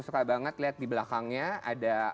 suka banget lihat di belakangnya ada